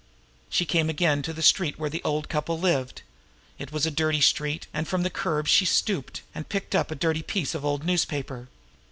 She came again to the street where the old couple lived. It was a dirty street, and from the curb she stooped and picked up a dirty piece of old newspaper.